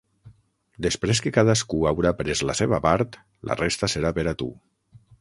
Després que cadascú haurà pres la seva part, la resta serà per a tu.